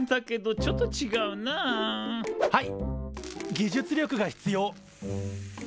技術力が必要。